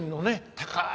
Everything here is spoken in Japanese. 高い